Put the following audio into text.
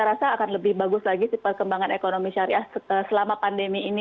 rasa akan lebih bagus lagi tipe kembangan ekonomi syariah setelah selama pandemi ini